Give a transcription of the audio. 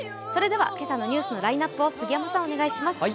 今朝のニュースのラインナップを杉山さんお願いします。